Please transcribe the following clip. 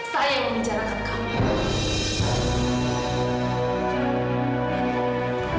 saya yang menjalankan kamu